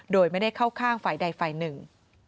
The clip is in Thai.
โดยไม่ได้เข้าข้างฝ่ายใดฝ่ายหนึ่ง